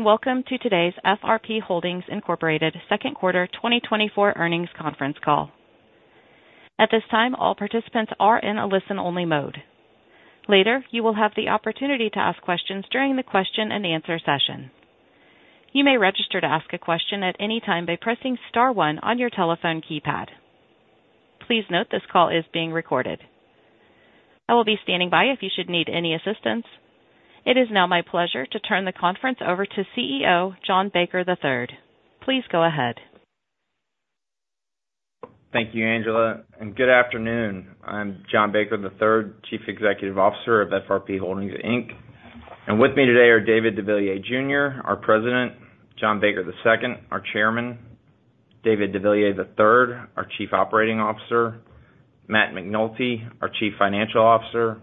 Welcome to today's FRP Holdings Incorporated second quarter 2024 earnings conference call. At this time, all participants are in a listen-only mode. Later, you will have the opportunity to ask questions during the question and answer session. You may register to ask a question at any time by pressing star one on your telephone keypad. Please note, this call is being recorded. I will be standing by if you should need any assistance. It is now my pleasure to turn the conference over to CEO, John Baker III. Please go ahead. Thank you, Angela, and good afternoon. I'm John Baker III, Chief Executive Officer of FRP Holdings, Inc. With me today are David deVilliers Jr., our President, John Baker II, our Chairman, David deVilliers III, our Chief Operating Officer, Matt McNulty, our Chief Financial Officer,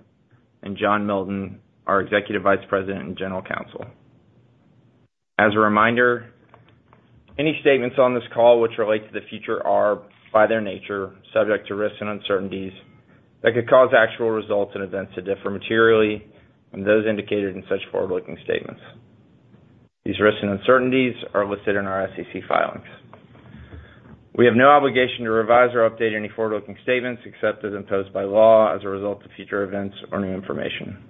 and John Milton, our Executive Vice President and General Counsel. As a reminder, any statements on this call which relate to the future are, by their nature, subject to risks and uncertainties that could cause actual results and events to differ materially from those indicated in such forward-looking statements. These risks and uncertainties are listed in our SEC filings. We have no obligation to revise or update any forward-looking statements accepted, imposed by law as a result of future events or new information.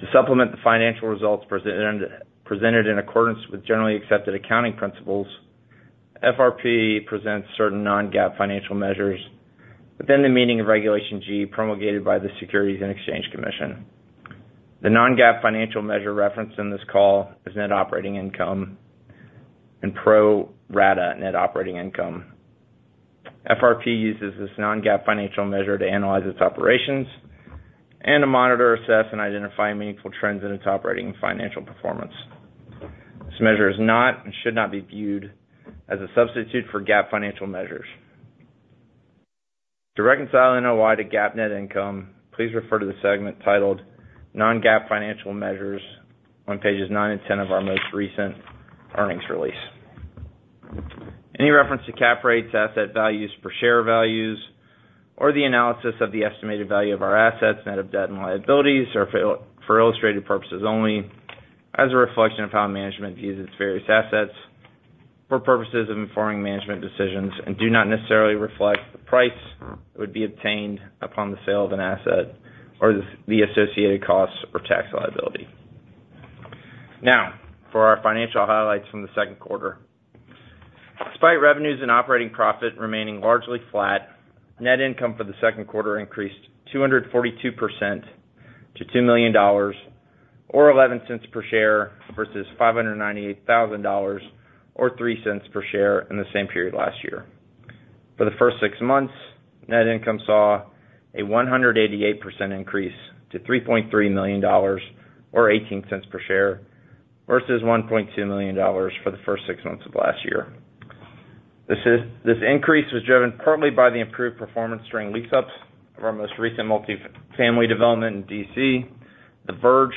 To supplement the financial results presented in accordance with generally accepted accounting principles, FRP presents certain non-GAAP financial measures, within the meaning of Regulation G, promulgated by the Securities and Exchange Commission. The non-GAAP financial measure referenced in this call is net operating income and pro rata net operating income. FRP uses this non-GAAP financial measure to analyze its operations and to monitor, assess, and identify meaningful trends in its operating and financial performance. This measure is not and should not be viewed as a substitute for GAAP financial measures. To reconcile NOI to GAAP net income, please refer to the segment titled Non-GAAP Financial Measures on pages 9 and 10 of our most recent earnings release. Any reference to cap rates, asset values, per share values, or the analysis of the estimated value of our assets, net of debt and liabilities, are for illustrative purposes only as a reflection of how management views its various assets for purposes of informing management decisions and do not necessarily reflect the price that would be obtained upon the sale of an asset or the associated costs or tax liability. Now, for our financial highlights from the second quarter. Despite revenues and operating profit remaining largely flat, net income for the second quarter increased 242% to $2 million, or $0.11 per share, versus $598,000, or $0.03 per share, in the same period last year. For the first six months, net income saw an 188% increase to $3.3 million, or $0.18 per share, versus $1.2 million for the first six months of last year. This increase was driven partly by the improved performance during lease-ups of our most recent multifamily development in D.C., The Verge,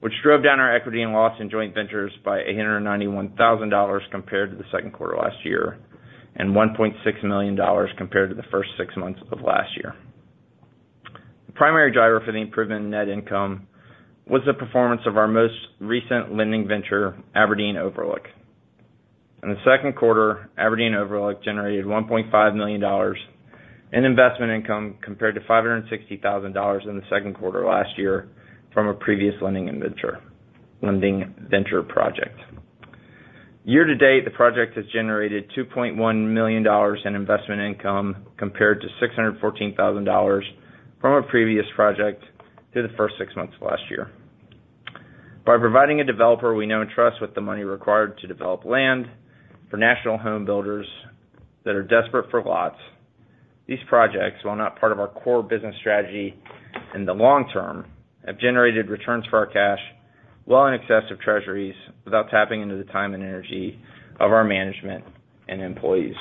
which drove down our equity in loss in joint ventures by $891,000 compared to the second quarter last year, and $1.6 million compared to the first six months of last year. The primary driver for the improvement in net income was the performance of our most recent lending venture, Aberdeen Overlook. In the second quarter, Aberdeen Overlook generated $1.5 million in investment income, compared to $560,000 in the second quarter last year from a previous lending venture project. Year to date, the project has generated $2.1 million in investment income, compared to $614,000 from a previous project through the first six months of last year. By providing a developer we know and trust with the money required to develop land for national home builders that are desperate for lots, these projects, while not part of our core business strategy in the long term, have generated returns for our cash well in excess of Treasuries, without tapping into the time and energy of our management and employees.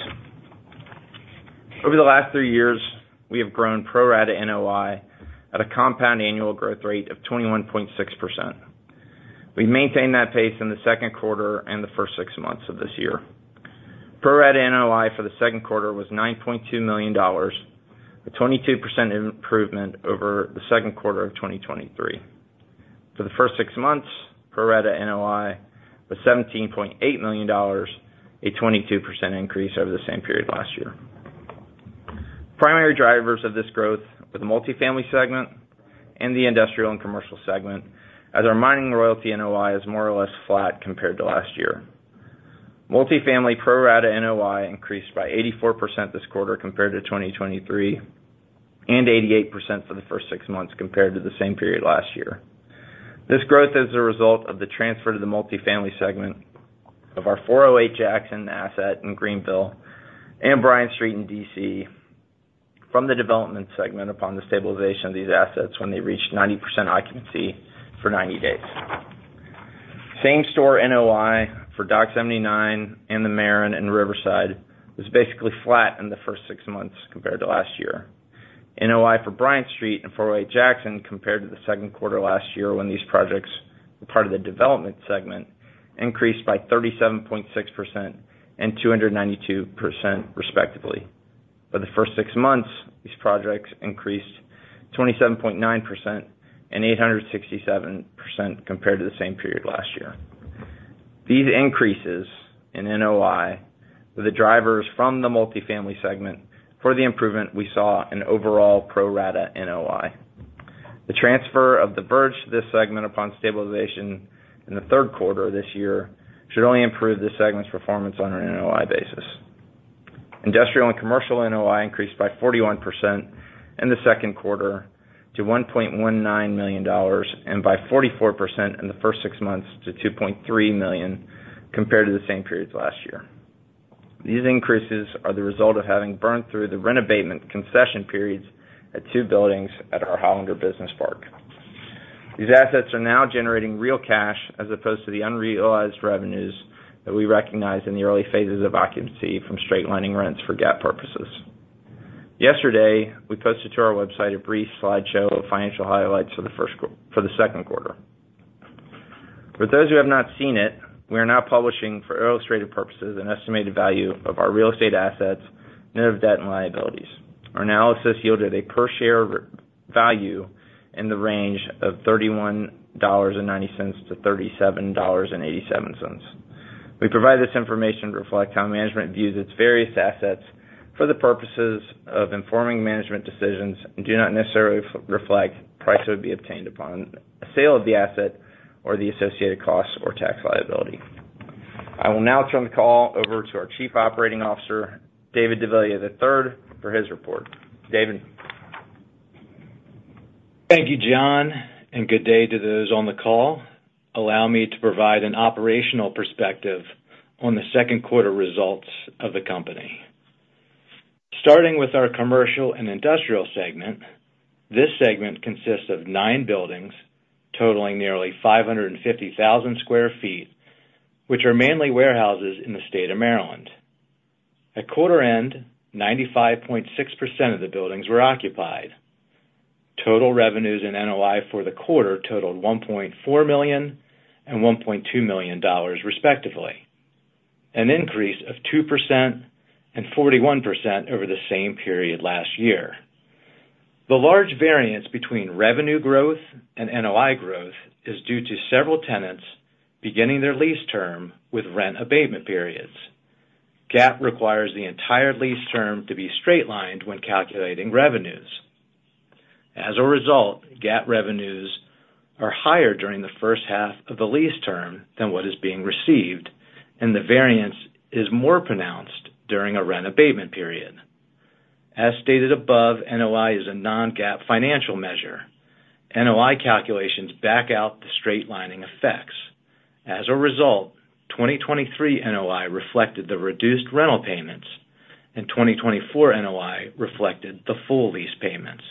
Over the last three years, we have grown Pro Rata NOI at a compound annual growth rate of 21.6%. We've maintained that pace in the second quarter and the first six months of this year. Pro Rata NOI for the second quarter was $9.2 million, a 22% improvement over the second quarter of 2023. For the first six months, Pro Rata NOI was $17.8 million, a 22% increase over the same period last year. Primary drivers of this growth were the multifamily segment and the industrial and commercial segment, as our mining royalty NOI is more or less flat compared to last year. Multifamily Pro Rata NOI increased by 84% this quarter compared to 2023, and 88% for the first six months compared to the same period last year. This growth is a result of the transfer to the multifamily segment of our .408 Jackson asset in Greenville and Bryant Street in D.C. from the development segment upon the stabilization of these assets when they reached 90% occupancy for 90 days. Same-Store NOI for Dock 79 and The Maren and Riverside was basically flat in the first 6 months compared to last year. NOI for Bryant Street and .408 Jackson, compared to the second quarter last year, when these projects were part of the development segment, increased by 37.6% and 292%, respectively. For the first 6 months, these projects increased twenty-seven point nine percent and eight hundred and sixty-seven percent compared to the same period last year. These increases in NOI were the drivers from the multifamily segment for the improvement we saw in overall Pro Rata NOI. The transfer of The Verge to this segment upon stabilization in the third quarter of this year should only improve the segment's performance on an NOI basis. Industrial and commercial NOI increased by 41% in the second quarter to $1.19 million, and by 44% in the first six months to $2.3 million, compared to the same periods last year. These increases are the result of having burned through the rent abatement concession periods at two buildings at our Hollander Business Park. These assets are now generating real cash, as opposed to the unrealized revenues that we recognized in the early phases of occupancy from straight lining rents for GAAP purposes. Yesterday, we posted to our website a brief slideshow of financial highlights for the second quarter. For those who have not seen it, we are now publishing, for illustrative purposes, an estimated value of our real estate assets, net of debt and liabilities. Our analysis yielded a per share value in the range of $31.90-$37.87. We provide this information to reflect how management views its various assets for the purposes of informing management decisions, and do not necessarily reflect the price that would be obtained upon a sale of the asset or the associated costs or tax liability. I will now turn the call over to our Chief Operating Officer, David deVilliers III, for his report. David? Thank you, John, and good day to those on the call. Allow me to provide an operational perspective on the second quarter results of the company. Starting with our commercial and industrial segment, this segment consists of nine buildings totaling nearly 550,000 sq ft, which are mainly warehouses in the state of Maryland. At quarter end, 95.6% of the buildings were occupied. Total revenues and NOI for the quarter totaled $1.4 million and $1.2 million, respectively, an increase of 2% and 41% over the same period last year. The large variance between revenue growth and NOI growth is due to several tenants beginning their lease term with rent abatement periods. GAAP requires the entire lease term to be straight lined when calculating revenues. As a result, GAAP revenues are higher during the first half of the lease term than what is being received, and the variance is more pronounced during a rent abatement period. As stated above, NOI is a non-GAAP financial measure. NOI calculations back out the straight lining effects. As a result, 2023 NOI reflected the reduced rental payments, and 2024 NOI reflected the full lease payments.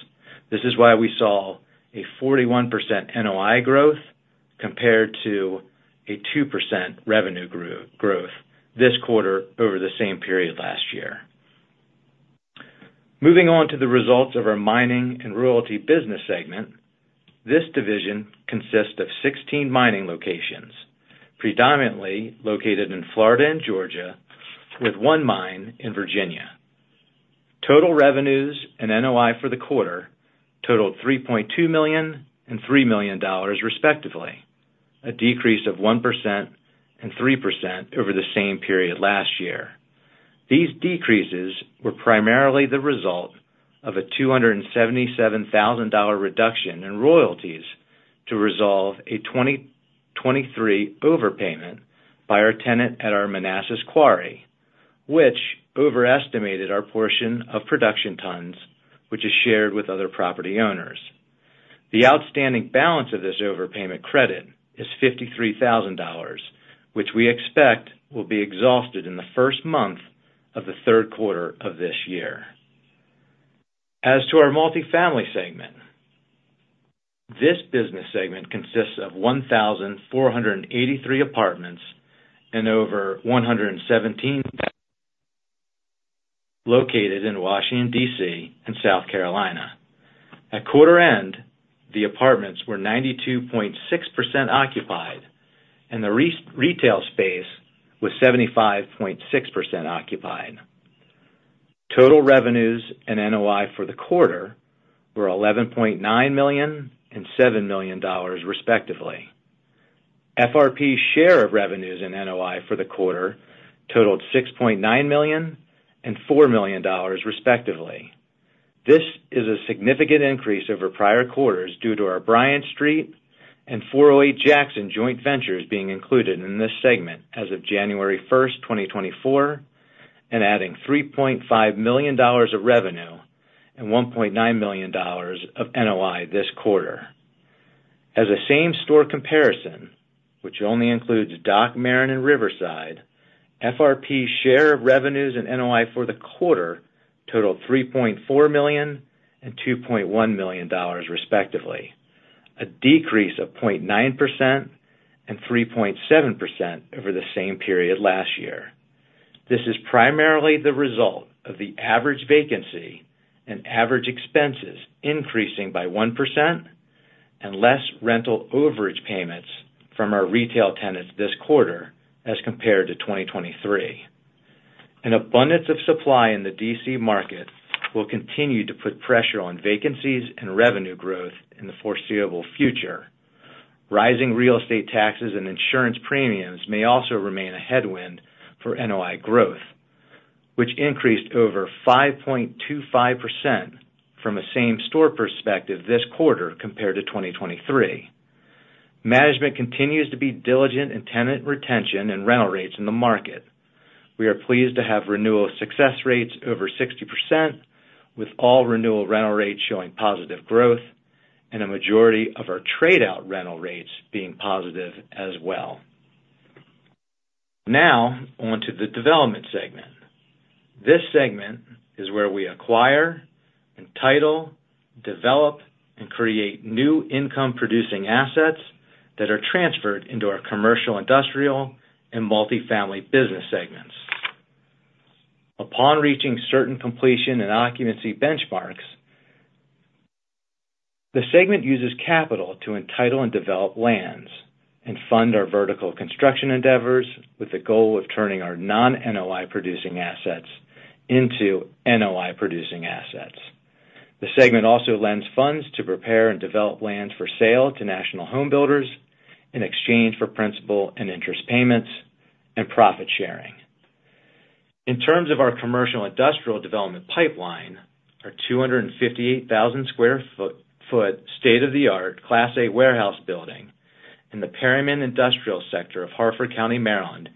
This is why we saw a 41% NOI growth compared to a 2% revenue growth this quarter over the same period last year. Moving on to the results of our mining and royalty business segment. This division consists of 16 mining locations, predominantly located in Florida and Georgia, with one mine in Virginia. Total revenues and NOI for the quarter totaled $3.2 million and $3 million, respectively, a decrease of 1% and 3% over the same period last year. These decreases were primarily the result of a $277,000 reduction in royalties to resolve a 2023 overpayment by our tenant at our Manassas Quarry, which overestimated our portion of production tons, which is shared with other property owners. The outstanding balance of this overpayment credit is $53,000, which we expect will be exhausted in the first month of the third quarter of this year. As to our multifamily segment, this business segment consists of 1,483 apartments and over 117 [inaudible] located in Washington, D.C., and South Carolina. At quarter end, the apartments were 92.6% occupied, and the retail space was 75.6% occupied. Total revenues and NOI for the quarter were $11.9 million and $7 million, respectively. FRP's share of revenues in NOI for the quarter totaled $6.9 million and $4 million, respectively. This is a significant increase over prior quarters due to our Bryant Street and .408 Jackson joint ventures being included in this segment as of January 1, 2024, and adding $3.5 million of revenue and $1.9 million of NOI this quarter. As a same-store comparison, which only includes Dock, Maren, and Riverside, FRP's share of revenues and NOI for the quarter totaled $3.4 million and $2.1 million, respectively, a decrease of 0.9% and 3.7% over the same period last year. This is primarily the result of the average vacancy and average expenses increasing by 1% and less rental overage payments from our retail tenants this quarter as compared to 2023.... An abundance of supply in the D.C. market will continue to put pressure on vacancies and revenue growth in the foreseeable future. Rising real estate taxes and insurance premiums may also remain a headwind for NOI growth, which increased over 5.25% from a same-store perspective this quarter compared to 2023. Management continues to be diligent in tenant retention and rental rates in the market. We are pleased to have renewal success rates over 60%, with all renewal rental rates showing positive growth, and a majority of our trade-out rental rates being positive as well. Now on to the development segment. This segment is where we acquire, entitle, develop, and create new income-producing assets that are transferred into our commercial, industrial, and multifamily business segments. Upon reaching certain completion and occupancy benchmarks, the segment uses capital to entitle and develop lands and fund our vertical construction endeavors with the goal of turning our non-NOI producing assets into NOI producing assets. The segment also lends funds to prepare and develop land for sale to national home builders in exchange for principal and interest payments and profit sharing. In terms of our commercial industrial development pipeline, our 258,000 sq ft, state-of-the-art Class A warehouse building in the Perryman industrial sector of Harford County, Maryland,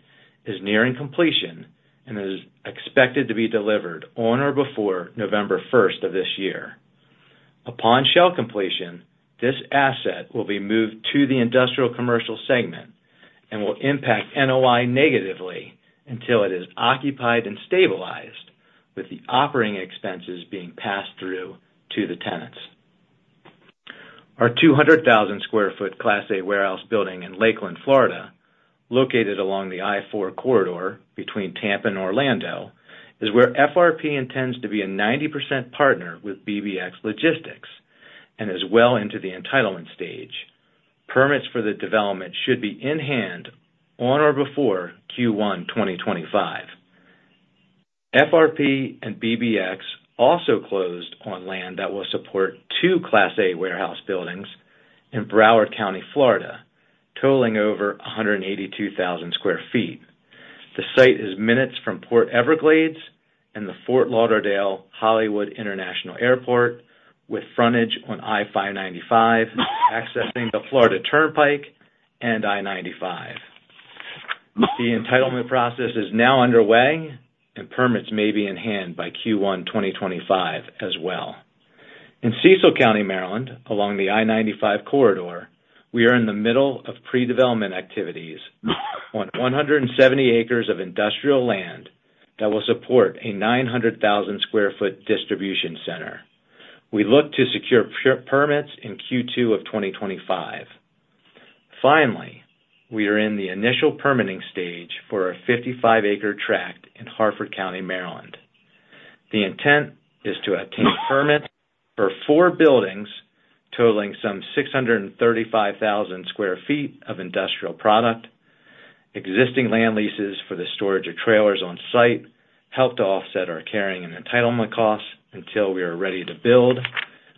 is nearing completion and is expected to be delivered on or before November first of this year. Upon shell completion, this asset will be moved to the industrial commercial segment and will impact NOI negatively until it is occupied and stabilized, with the operating expenses being passed through to the tenants. Our 200,000 sq ft Class A warehouse building in Lakeland, Florida, located along the I-4 corridor between Tampa and Orlando, is where FRP intends to be a 90% partner with BBX Logistics and is well into the entitlement stage. Permits for the development should be in hand on or before Q1 2025. FRP and BBX also closed on land that will support two Class A warehouse buildings in Broward County, Florida, totaling over 182,000 sq ft. The site is minutes from Port Everglades and the Fort Lauderdale-Hollywood International Airport, with frontage on I-595, accessing the Florida Turnpike and I-95. The entitlement process is now underway, and permits may be in hand by Q1 2025 as well. In Cecil County, Maryland, along the I-95 corridor, we are in the middle of pre-development activities on 170 acres of industrial land that will support a 900,000 sq ft distribution center. We look to secure permits in Q2 of 2025. Finally, we are in the initial permitting stage for a 55-acre tract in Harford County, Maryland. The intent is to obtain permits for four buildings totaling some 635,000 sq ft of industrial product. Existing land leases for the storage of trailers on site help to offset our carrying and entitlement costs until we are ready to build,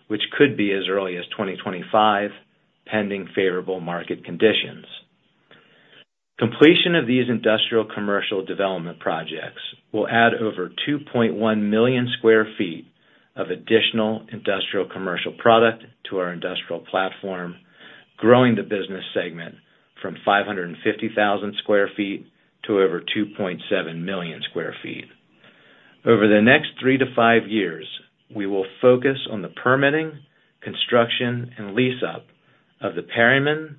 which could be as early as 2025, pending favorable market conditions. Completion of these industrial commercial development projects will add over 2.1 million sq ft of additional industrial commercial product to our industrial platform, growing the business segment from 550,000 sq ft to over 2.7 million sq ft. Over the next 3-5 years, we will focus on the permitting, construction, and lease-up of the Perryman,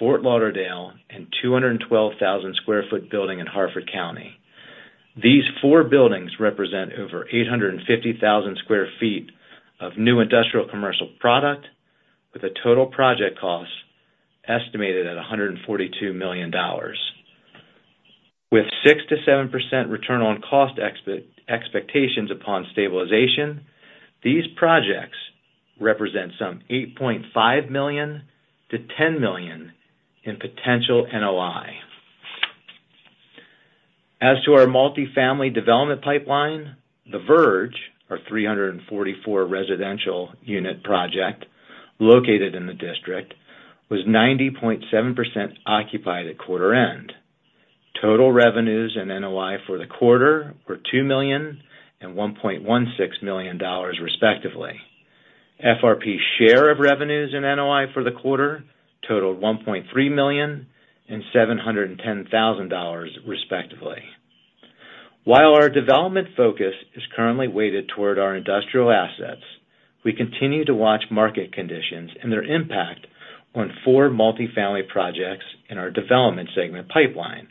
Lakeland, Fort Lauderdale, and 212,000 sq ft building in Harford County. These four buildings represent over 850,000 sq ft of new industrial commercial product, with a total project cost estimated at $142 million. With 6%-7% return on cost expectations upon stabilization, these projects represent some $8.5 million-$10 million in potential NOI. As to our multifamily development pipeline, The Verge, our 344 residential unit project located in the district, was 90.7% occupied at quarter end. Total revenues and NOI for the quarter were $2 million and $1.16 million, respectively. FRP's share of revenues and NOI for the quarter totaled $1.3 million and $710,000, respectively. While our development focus is currently weighted toward our industrial assets, we continue to watch market conditions and their impact on four multifamily projects in our development segment pipeline,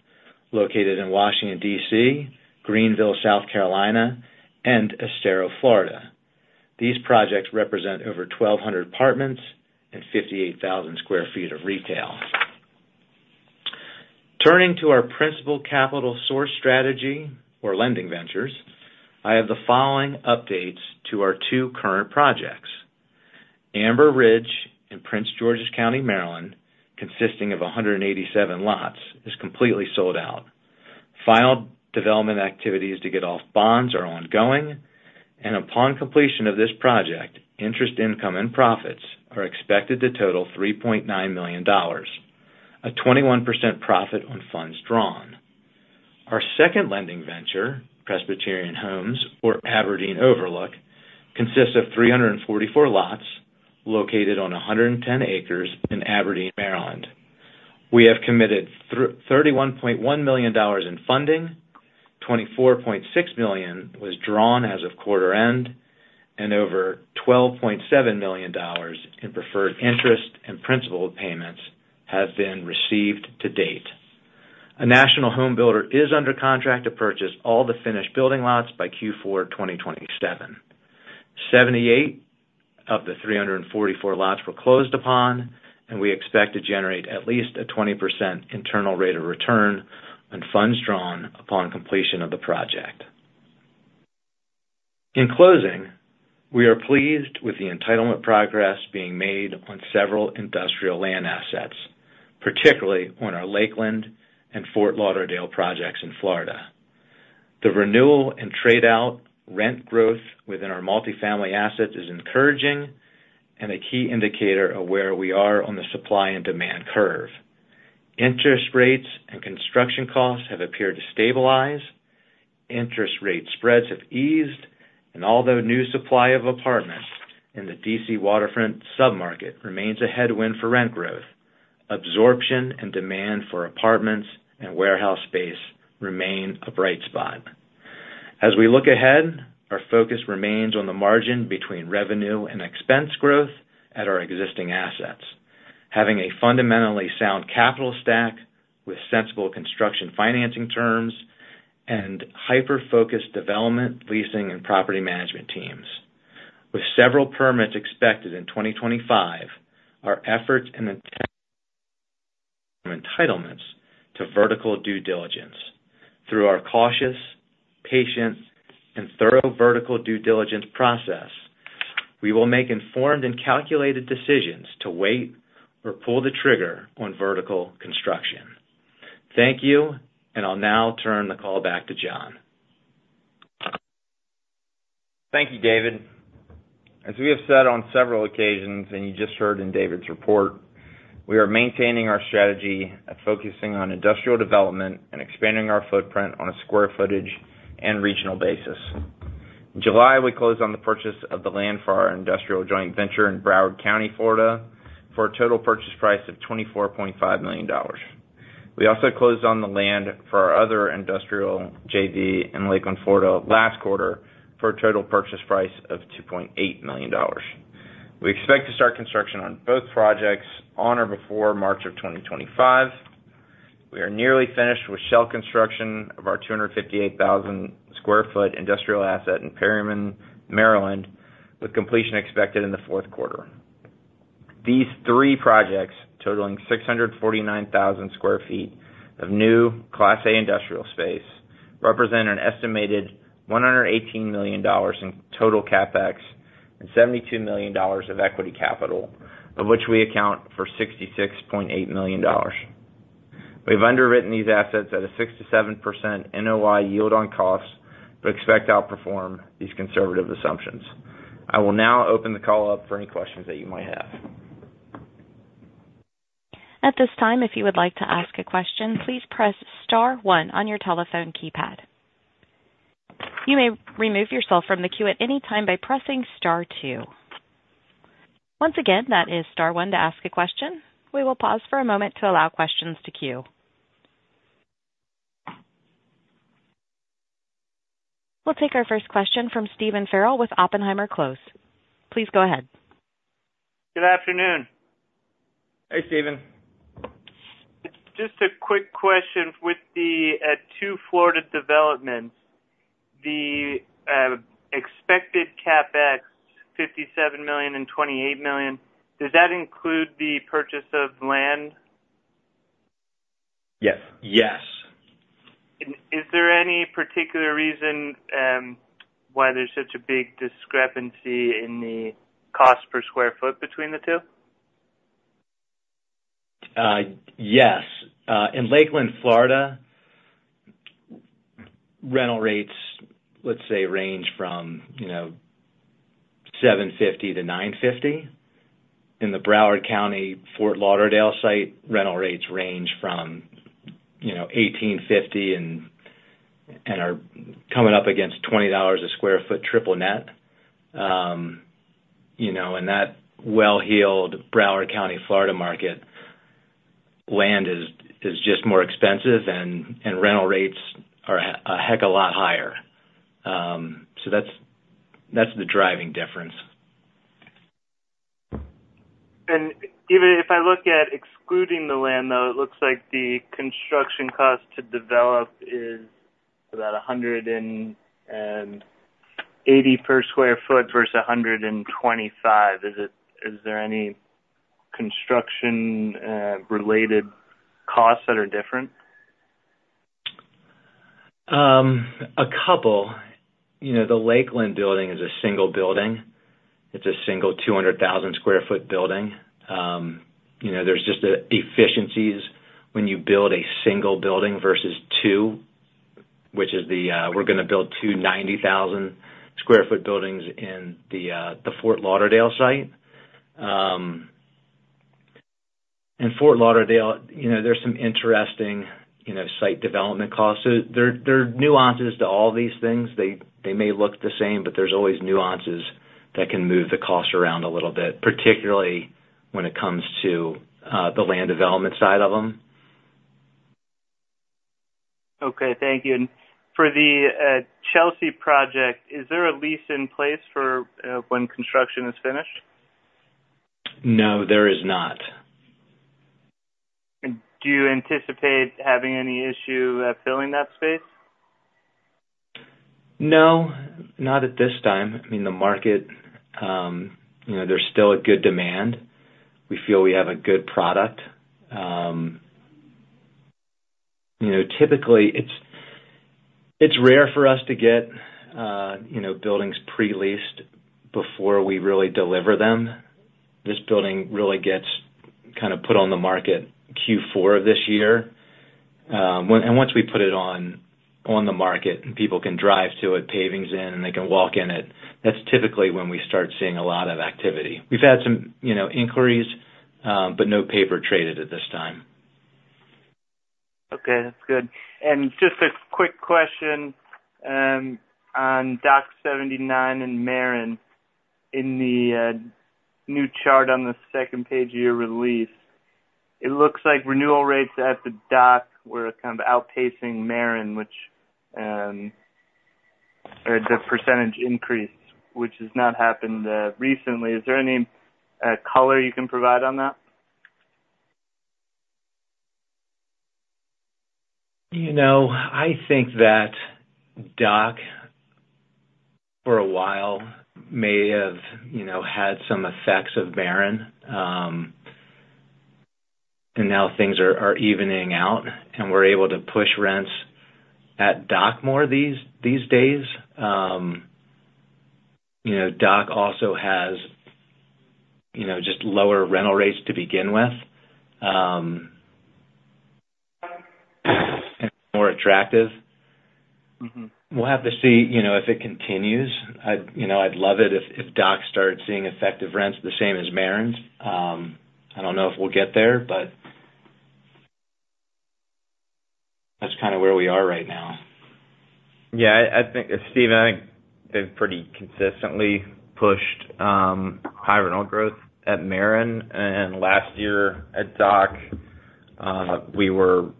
located in Washington, D.C., Greenville, South Carolina, and Estero, Florida. These projects represent over 1,200 apartments and 58,000 sq ft of retail. Turning to our principal capital source strategy or lending ventures, I have the following updates to our two current projects.... Amber Ridge in Prince George's County, Maryland, consisting of 187 lots, is completely sold out. Final development activities to get off bonds are ongoing, and upon completion of this project, interest income and profits are expected to total $3.9 million, a 21% profit on funds drawn. Our second lending venture, Presbyterian Homes, or Aberdeen Overlook, consists of 344 lots located on 110 acres in Aberdeen, Maryland. We have committed thirty-one point one million dollars in funding, $24.6 million was drawn as of quarter end, and over $12.7 million in preferred interest and principal payments have been received to date. A national home builder is under contract to purchase all the finished building lots by Q4 2027. 78 of the 344 lots were closed upon, and we expect to generate at least a 20% internal rate of return on funds drawn upon completion of the project. In closing, we are pleased with the entitlement progress being made on several industrial land assets, particularly on our Lakeland and Fort Lauderdale projects in Florida. The renewal and trade-out rent growth within our multifamily assets is encouraging and a key indicator of where we are on the supply and demand curve. Interest rates and construction costs have appeared to stabilize, interest rate spreads have eased, and although new supply of apartments in the D.C. waterfront submarket remains a headwind for rent growth, absorption and demand for apartments and warehouse space remain a bright spot. As we look ahead, our focus remains on the margin between revenue and expense growth at our existing assets, having a fundamentally sound capital stack with sensible construction financing terms and hyper-focused development, leasing, and property management teams. With several permits expected in 2025, our efforts and intent from entitlements to vertical due diligence. Through our cautious, patient, and thorough vertical due diligence process, we will make informed and calculated decisions to wait or pull the trigger on vertical construction. Thank you, and I'll now turn the call back to John. Thank you, David. As we have said on several occasions, and you just heard in David's report, we are maintaining our strategy of focusing on industrial development and expanding our footprint on a square footage and regional basis. In July, we closed on the purchase of the land for our industrial joint venture in Broward County, Florida, for a total purchase price of $24.5 million. We also closed on the land for our other industrial JV in Lakeland, Florida, last quarter, for a total purchase price of $2.8 million. We expect to start construction on both projects on or before March of 2025. We are nearly finished with shell construction of our 258,000 sq ft industrial asset in Perryman, Maryland, with completion expected in the fourth quarter. These three projects, totaling 649,000 sq ft of new Class A industrial space, represent an estimated $118 million in total CapEx and $72 million of equity capital, of which we account for $66.8 million. We've underwritten these assets at a 6%-7% NOI yield on costs, but expect to outperform these conservative assumptions. I will now open the call up for any questions that you might have. At this time, if you would like to ask a question, please press star one on your telephone keypad. You may remove yourself from the queue at any time by pressing star two. Once again, that is star one to ask a question. We will pause for a moment to allow questions to queue. We'll take our first question from Stephen Farrell with Oppenheimer + Close. Please go ahead. Good afternoon. Hey, Steven. Just a quick question. With the two Florida developments, the expected CapEx, $57 million and $28 million, does that include the purchase of land? Yes. Yes. Is there any particular reason why there's such a big discrepancy in the cost per square foot between the two? Yes. In Lakeland, Florida, rental rates, let's say, range from, you know, $7.50-$9.50. In the Broward County, Fort Lauderdale site, rental rates range from, you know, $18.50 and are coming up against $20 a sq ft triple-net. You know, and that well-heeled Broward County, Florida, market, land is just more expensive and rental rates are a heck of a lot higher. So that's the driving difference. Even if I look at excluding the land, though, it looks like the construction cost to develop is about $180 per sq ft versus $125. Is it? Is there any construction-related costs that are different?... A couple. You know, the Lakeland building is a single building. It's a single 200,000 sq ft building. You know, there's just the efficiencies when you build a single building versus two, which is the, we're gonna build two 90,000 sq ft buildings in the, the Fort Lauderdale site. In Fort Lauderdale, you know, there's some interesting, you know, site development costs. So there, there are nuances to all these things. They, they may look the same, but there's always nuances that can move the cost around a little bit, particularly when it comes to, the land development side of them. Okay, thank you. And for the Chelsea project, is there a lease in place for when construction is finished? No, there is not. Do you anticipate having any issue, filling that space? No, not at this time. I mean, the market, you know, there's still a good demand. We feel we have a good product. You know, typically, it's, it's rare for us to get, you know, buildings pre-leased before we really deliver them. This building really gets kind of put on the market Q4 of this year. When and once we put it on, on the market, and people can drive to it, pavings in, and they can walk in it, that's typically when we start seeing a lot of activity. We've had some, you know, inquiries, but no paper traded at this time. Okay, that's good. Just a quick question on Dock 79 and Maren. In the new chart on the second page of your release, it looks like renewal rates at the Dock were kind of outpacing Maren, which or the percentage increase, which has not happened recently. Is there any color you can provide on that? You know, I think that Dock for a while may have, you know, had some effects of Maren, and now things are evening out, and we're able to push rents at Dock more these days. You know, Dock also has, you know, just lower rental rates to begin with, and more attractive. Mm-hmm. We'll have to see, you know, if it continues. I'd, you know, I'd love it if, if Dock started seeing effective rents the same as Maren. I don't know if we'll get there, but that's kind of where we are right now. Yeah, I, I think, Steve, I think they've pretty consistently pushed high rental growth at Maren, and last year at Dock, we were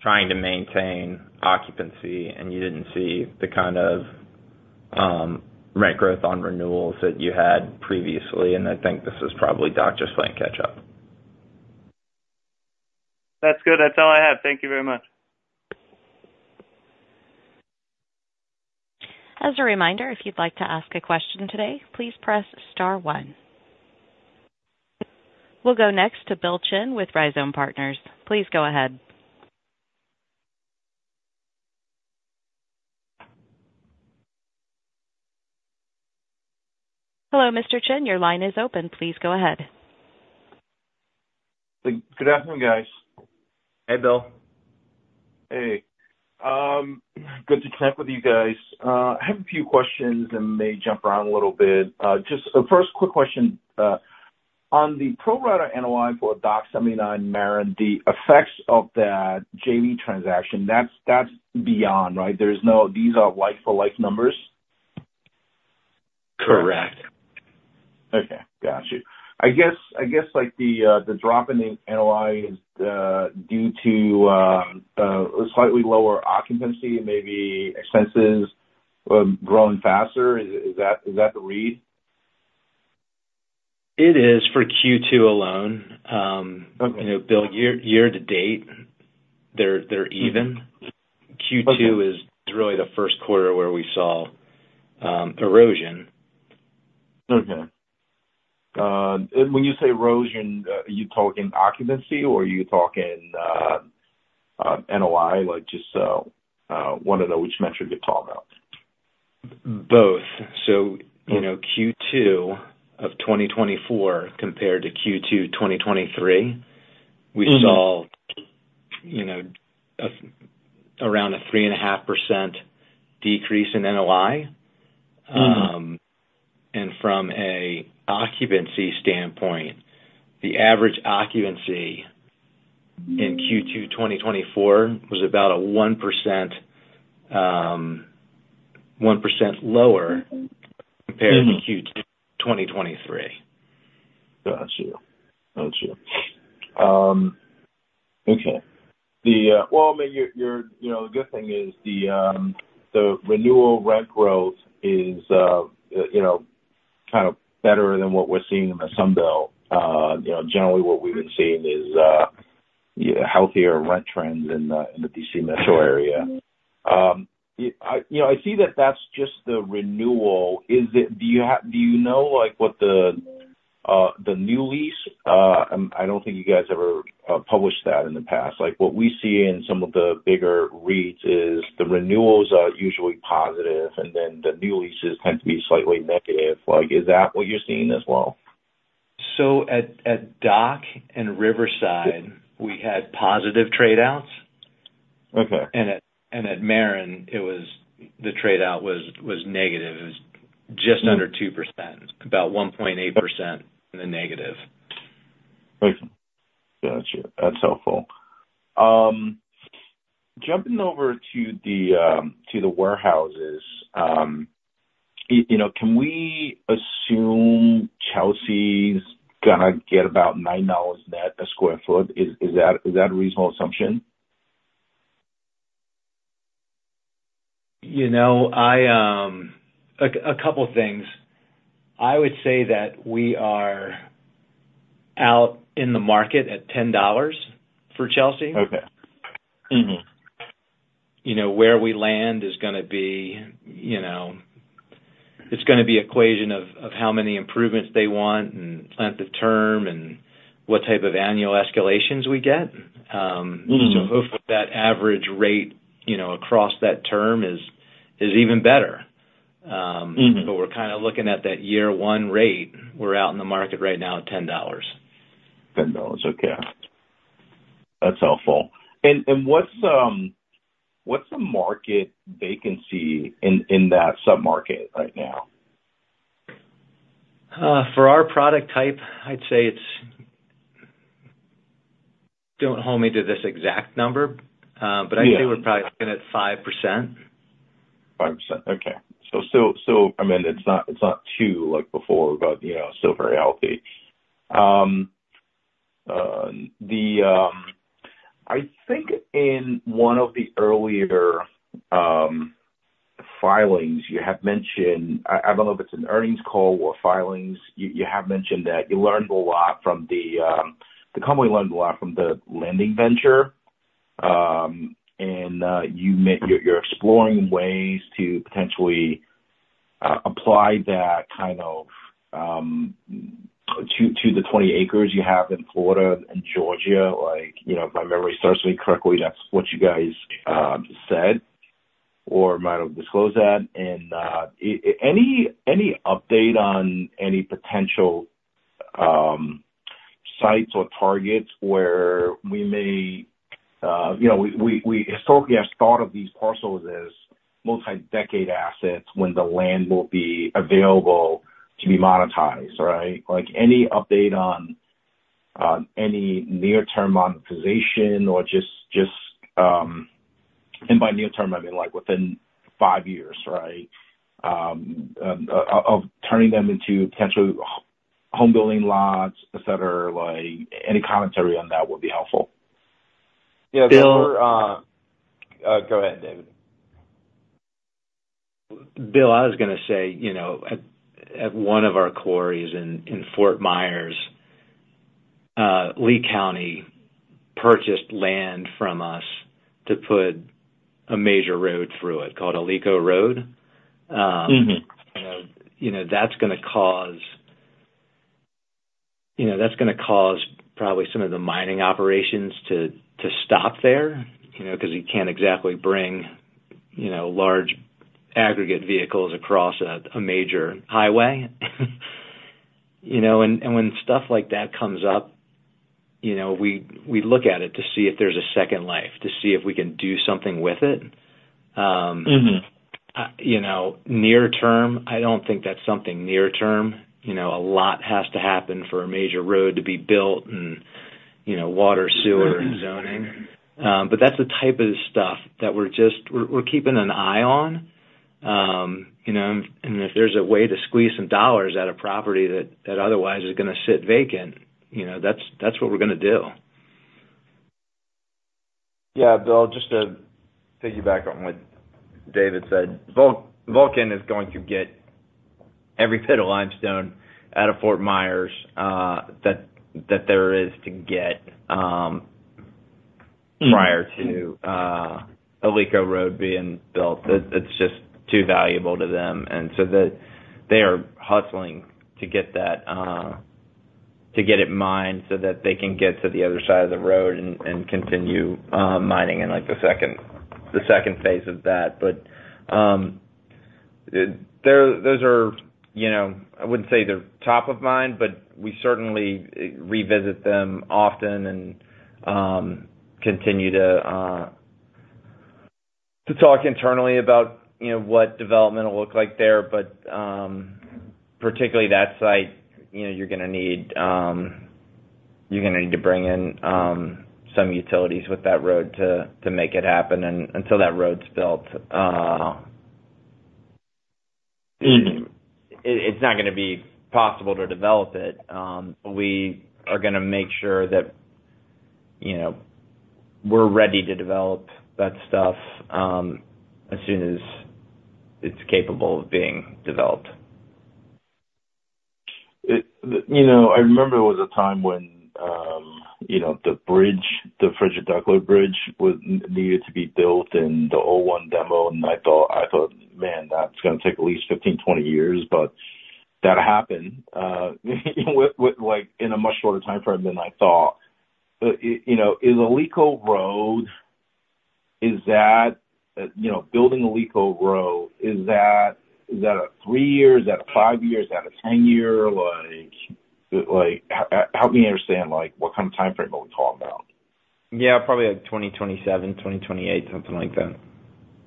trying to maintain occupancy, and you didn't see the kind of rent growth on renewals that you had previously, and I think this is probably Dock just playing catch up. That's good. That's all I have. Thank you very much. As a reminder, if you'd like to ask a question today, please press star one. We'll go next to Bill Chen with Rhizome Partners. Please go ahead. Hello, Mr. Chen, your line is open. Please go ahead. Good afternoon, guys. Hey, Bill. Hey. Good to chat with you guys. I have a few questions and may jump around a little bit. Just a first quick question, on the Pro Rata NOI for Dock 79 The Maren, the effects of that JV transaction, that's, that's beyond, right? There's no... These are like for like numbers? Correct. Okay, got you. I guess, I guess, like, the drop in the NOI is due to slightly lower occupancy and maybe expenses growing faster. Is, is that, is that the read? It is for Q2 alone. Okay. You know, Bill, year to date, they're even. Okay. Q2 is really the first quarter where we saw erosion. Okay. And when you say erosion, are you talking occupancy or are you talking NOI? Like, just want to know which metric you're talking about. Both. So, you know, Q2 of 2024 compared to Q2 2023- Mm-hmm. We saw, you know, around a 3.5% decrease in NOI. Mm-hmm. From an occupancy standpoint, the average occupancy in Q2 2024 was about 1% lower- Mm-hmm. -compared to Q2 2023. Got you. Got you. Okay. Well, I mean, your, your, you know, the good thing is the renewal rent growth is, you know, kind of better than what we're seeing in the Sunbelt. You know, generally what we've been seeing is, yeah, healthier rent trends in the DC metro area. I, you know, I see that that's just the renewal. Is it do you know, like, what the new lease, I don't think you guys ever published that in the past. Like, what we see in some of the bigger REITs is the renewals are usually positive, and then the new leases tend to be slightly negative. Like, is that what you're seeing as well? So at Dock and Riverside, we had positive trade-outs. Okay. At Maren, the trade-out was negative. It was just under 2%, about 1.8% in the negative. Gotcha. That's helpful. Jumping over to the warehouses, you know, can we assume Chelsea's gonna get about $9 net a sq ft? Is that a reasonable assumption? You know, a couple things. I would say that we are out in the market at $10 for Chelsea. Okay. Mm-hmm. You know, where we land is gonna be, you know, it's gonna be an equation of, of how many improvements they want and length of term and what type of annual escalations we get. Mm-hmm. so hopefully that average rate, you know, across that term is even better. Mm-hmm. but we're kind of looking at that year one rate. We're out in the market right now at $10. $10, okay. That's helpful. And what's the market vacancy in that submarket right now? For our product type, I'd say it's... Don't hold me to this exact number, Yeah but I'd say we're probably looking at 5%. 5%, okay. So, I mean, it's not, it's not 2 like before, but, you know, still very healthy. I think in one of the earlier filings, you had mentioned. I don't know if it's an earnings call or filings, you had mentioned that the company learned a lot from the lending venture. And you're exploring ways to potentially apply that kind of to the 20 acres you have in Florida and Georgia. Like, you know, if my memory serves me correctly, that's what you guys said or might have disclosed that. Any update on any potential sites or targets where we may, you know, we, we, historically have thought of these parcels as multi-decade assets when the land will be available to be monetized, right? Like, any update on any near-term monetization or just, just, and by near term, I mean, like, within five years, right? Of turning them into potentially home building lots, et cetera, like, any commentary on that would be helpful. Yeah, Bill- Go ahead, David. Bill, I was gonna say, you know, at one of our quarries in Fort Myers, Lee County purchased land from us to put a major road through it called Alico Road. Mm-hmm. You know, that's gonna cause, you know, that's gonna cause probably some of the mining operations to stop there, you know, because you can't exactly bring, you know, large aggregate vehicles across a major highway. You know, and when stuff like that comes up, you know, we look at it to see if there's a second life, to see if we can do something with it. Mm-hmm. You know, near term, I don't think that's something near term. You know, a lot has to happen for a major road to be built and, you know, water, sewer, and zoning. But that's the type of stuff that we're just keeping an eye on. You know, and if there's a way to squeeze some dollars out of property that otherwise is gonna sit vacant, you know, that's what we're gonna do. Yeah, Bill, just to piggyback on what David said, Vulcan is going to get every bit of limestone out of Fort Myers, that, that there is to get. Mm... prior to Alico Road being built. It's just too valuable to them, and so that they are hustling to get that to get it mined so that they can get to the other side of the road and continue mining in, like, the second phase of that. But those are, you know, I wouldn't say they're top of mind, but we certainly revisit them often and continue to talk internally about, you know, what development will look like there. But particularly that site, you know, you're gonna need, you're gonna need to bring in some utilities with that road to make it happen. And until that road's built, Mm ...it's not gonna be possible to develop it. We are gonna make sure that, you know, we're ready to develop that stuff, as soon as it's capable of being developed. You know, I remember there was a time when, you know, the bridge, the Frederick Douglass Bridge, was needed to be built in the 2001 demo, and I thought, I thought, "Man, that's gonna take at least 15-20 years." But that happened with like in a much shorter timeframe than I thought. You know, is Alico Road, is that, you know, building Alico Road, is that, is that a 3-year, is that a 5-year, is that a 10-year? Like, like, help me understand, like, what kind of timeframe are we talking about? Yeah, probably like 2027, 2028, something like that.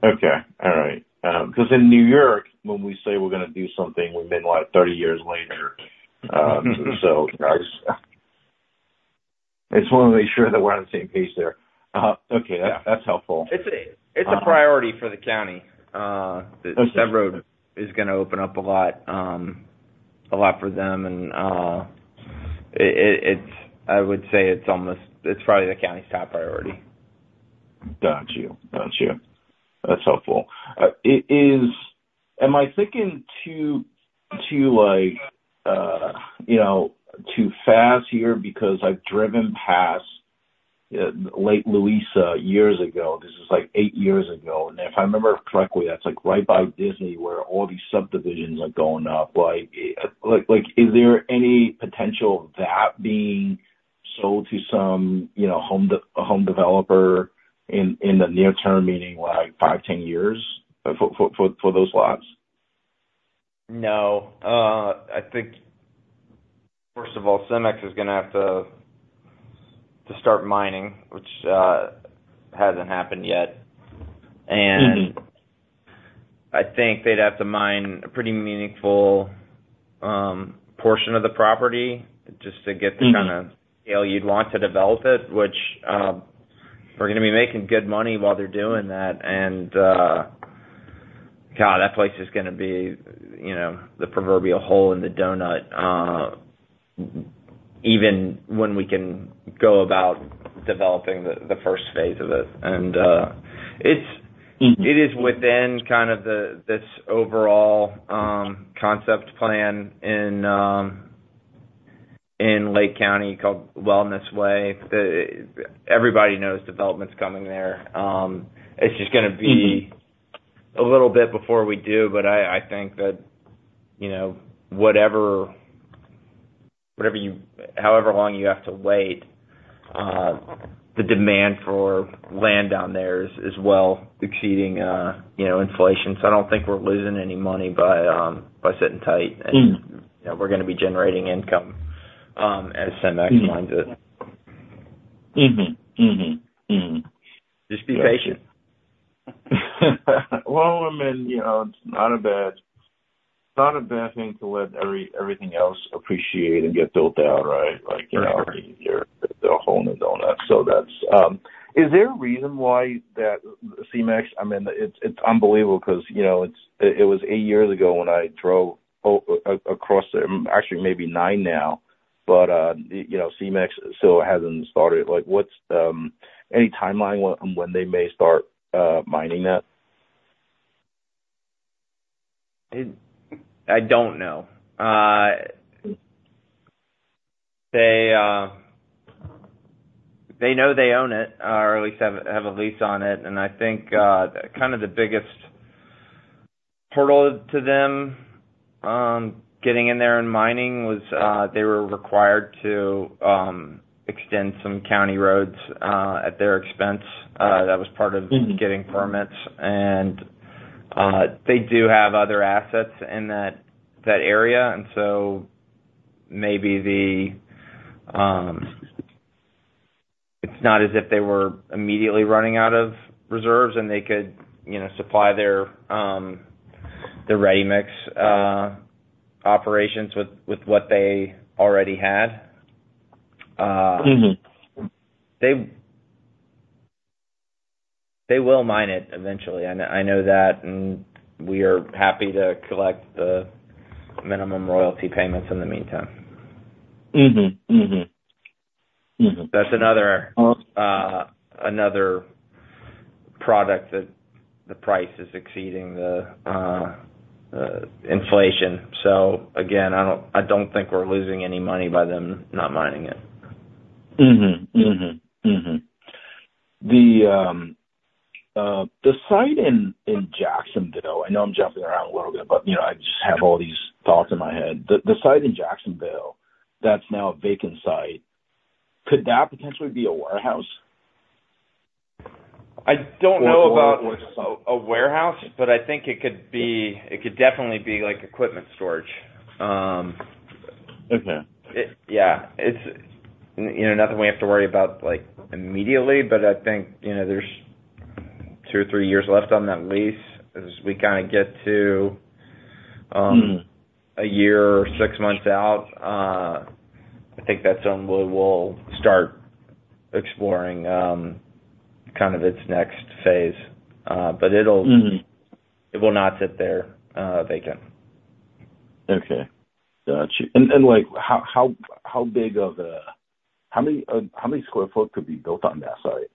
Okay. All right. 'Cause in New York, when we say we're gonna do something, we mean, like, 30 years later. So I just wanna make sure that we're on the same page there. Okay, that's helpful. It's a priority for the county. Okay. That road is gonna open up a lot, a lot for them. And, it's -- I would say it's almost... It's probably the county's top priority. Got you. Got you. That's helpful. It is, am I thinking too too, like, you know, too fast here? Because I've driven past Lake Louisa years ago, this is like eight years ago, and if I remember correctly, that's like right by Disney, where all these subdivisions are going up. Like, like, like, is there any potential of that being sold to some, you know, a home developer in the near term, meaning like five, 10 years, for those lots? No. I think, first of all, CEMEX is gonna have to, to start mining, which hasn't happened yet. Mm-hmm. And I think they'd have to mine a pretty meaningful portion of the property just to get- Mm-hmm... the kind of scale you'd want to develop it, which, they're gonna be making good money while they're doing that. And, God, that place is gonna be, you know, the proverbial hole in the donut, even when we can go about developing the first phase of it. And, it's- Mm-hmm... it is within kind of the, this overall, concept plan in, in Lake County called Wellness Way. The, everybody knows development's coming there. It's just gonna be- Mm-hmm... a little bit before we do, but I, I think that, you know, whatever, whatever you -- however long you have to wait, the demand for land down there is, is well exceeding, you know, inflation. So I don't think we're losing any money by, by sitting tight. Mm. You know, we're gonna be generating income as CEMEX mines it. Mm-hmm. Mm-hmm. Mm. Just be patient. Well, I mean, you know, it's not a bad, not a bad thing to let every- everything else appreciate and get built out, right? Right. Like, you know, I mean, you're the hole in the donut, so that's... Is there a reason why that CEMEX... I mean, it's unbelievable, 'cause, you know, it was eight years ago when I drove across there, actually maybe nine now, but, you know, CEMEX still hasn't started. Like, what's any timeline on when they may start mining that? I don't know. They know they own it, or at least have a lease on it. I think kind of the biggest hurdle to them getting in there and mining was they were required to extend some county roads at their expense. That was part of- Mm-hmm... getting permits. And they do have other assets in that area, and so maybe it's not as if they were immediately running out of reserves and they could, you know, supply their ready-mix operations with what they already had. Mm-hmm. They, they will mine it eventually. I know, I know that, and we are happy to collect the minimum royalty payments in the meantime. Mm-hmm. Mm-hmm. Mm-hmm. That's another, another product that the price is exceeding the inflation. So again, I don't, I don't think we're losing any money by them not mining it. Mm-hmm. Mm-hmm. Mm-hmm. The site in Jacksonville, I know I'm jumping around a little bit, but, you know, I just have all these thoughts in my head. The site in Jacksonville, that's now a vacant site, could that potentially be a warehouse? I don't know about- Or, or, or- a warehouse, but I think it could be, it could definitely be, like, equipment storage. Okay. Yeah, it's, you know, nothing we have to worry about, like, immediately, but I think, you know, there's two or three years left on that lease. As we kinda get to, Mm... a year or six months out, I think that's when we will start exploring, kind of its next phase. But it'll- Mm-hmm... it will not sit there, vacant. Okay. Got you. And like, how big of a—how many sq ft could be built on that site?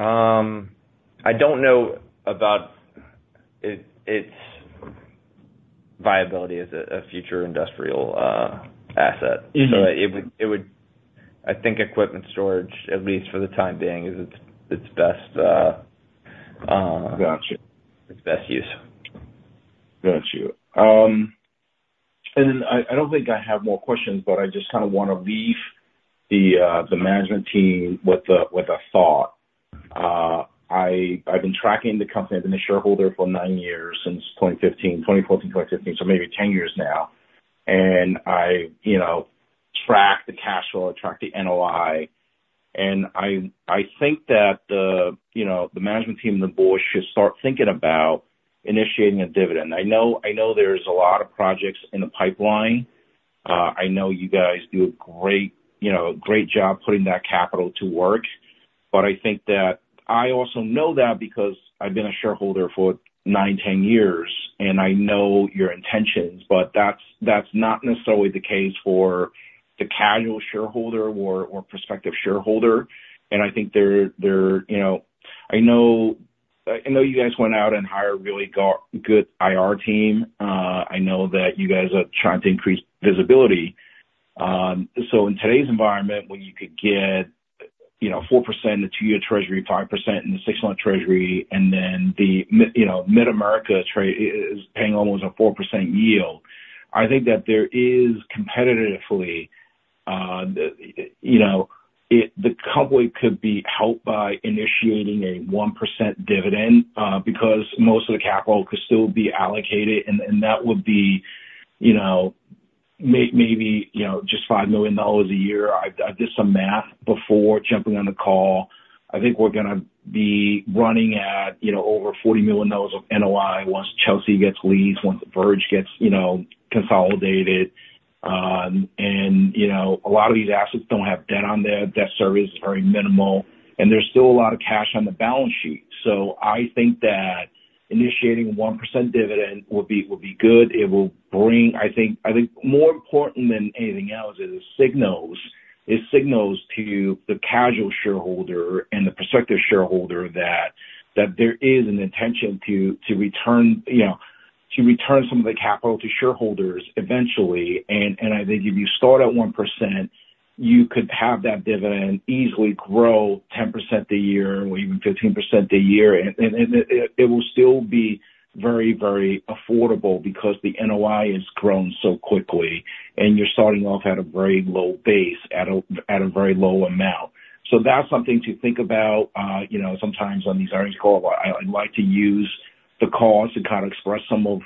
I don't know about its viability as a future industrial asset. Mm-hmm. So it would, I think equipment storage, at least for the time being, is its best. Gotcha. It's best use. Got you. And I don't think I have more questions, but I just kind of want to leave the management team with a thought. I've been tracking the company. I've been a shareholder for 9 years, since 2015, 2014, 2015, so maybe 10 years now. And I, you know, track the cash flow, I track the NOI, and I think that the, you know, the management team and the board should start thinking about initiating a dividend. I know, I know there's a lot of projects in the pipeline. I know you guys do a great, you know, a great job putting that capital to work. But I think that I also know that because I've been a shareholder for 9, 10 years, and I know your intentions, but that's, that's not necessarily the case for the casual shareholder or, or prospective shareholder. And I think they're, they're, you know... I know, I know you guys went out and hired a really good IR team. I know that you guys are trying to increase visibility. So in today's environment, when you could get, you know, 4% in the 2-year Treasury, 5% in the 6-month Treasury, and then the, you know, Mid-America is paying almost a 4% yield, I think that there is competitively, you know, the company could be helped by initiating a 1% dividend, because most of the capital could still be allocated, and that would be, you know, maybe, you know, just $5 million a year. I did some math before jumping on the call. I think we're gonna be running at, you know, over $40 million of NOI once Chelsea gets leased, once Verge gets, you know, consolidated. You know, a lot of these assets don't have debt on there. Debt service is very minimal, and there's still a lot of cash on the balance sheet. So I think that initiating a 1% dividend would be good. It will bring, I think—I think more important than anything else is it signals to the casual shareholder and the prospective shareholder that there is an intention to return, you know, to return some of the capital to shareholders eventually. And I think if you start at 1%, you could have that dividend easily grow 10% a year or even 15% a year, and it will still be very affordable because the NOI has grown so quickly, and you're starting off at a very low base, at a very low amount. So that's something to think about. You know, sometimes on these earnings call, I like to use the calls to kind of express some of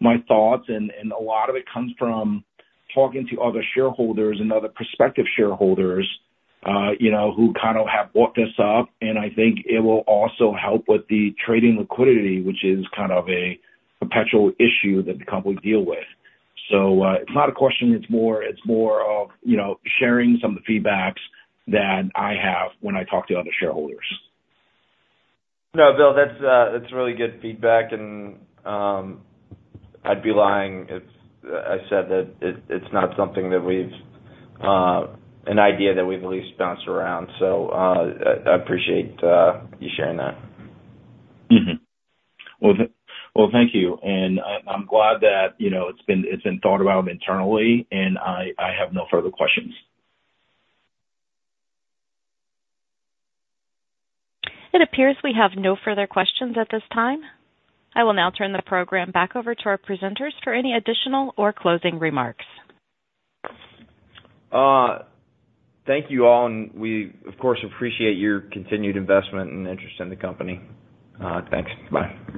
my thoughts, and a lot of it comes from talking to other shareholders and other prospective shareholders, you know, who kind of have brought this up, and I think it will also help with the trading liquidity, which is kind of a perpetual issue that the company deal with. So, it's not a question, it's more of, you know, sharing some of the feedbacks that I have when I talk to other shareholders. No, Bill, that's really good feedback, and I'd be lying if I said that it, it's not something that we've an idea that we've at least bounced around. So, I appreciate you sharing that. Mm-hmm. Well, thank you, and I'm glad that, you know, it's been thought about internally, and I have no further questions. It appears we have no further questions at this time. I will now turn the program back over to our presenters for any additional or closing remarks. Thank you all, and we, of course, appreciate your continued investment and interest in the company. Thanks. Bye.